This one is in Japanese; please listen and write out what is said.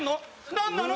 何なの？